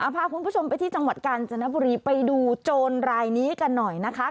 พาคุณผู้ชมไปที่จังหวัดกาญจนบุรีไปดูโจรรายนี้กันหน่อยนะคะ